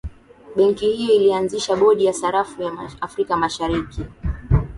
benki hiyo ilianzisha bodi ya sarafu ya afrika mashariki